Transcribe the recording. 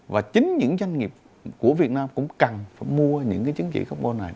và chính những doanh nghiệp của việt nam cũng cần mua những chính trị carbon này